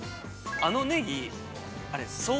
あのネギ。